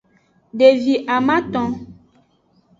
Devi amaton.